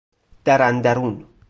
در اندرون